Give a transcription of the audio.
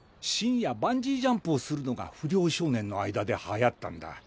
深夜バンジージャンプをするのが不良少年の間ではやったんだ。